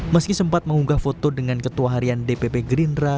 meski sempat mengunggah foto dengan ketua harian dpp gerindra